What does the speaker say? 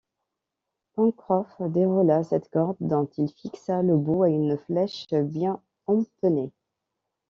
Pencroff déroula cette corde, dont il fixa le bout à une flèche bien empennée.